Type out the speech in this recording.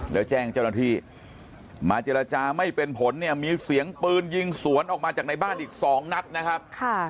แล้วแจ้งเจ้าหน้าที่มาเจรจาไม่เป็นผลเนี่ยมีเสียงปืนยิงสวนออกมาจากในบ้านอีก๒นัดนะครับ